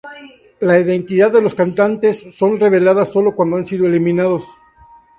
La identidad de los cantantes son reveladas sólo cuando han sido eliminados.